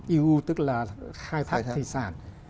eu tức là khai thác thủy sản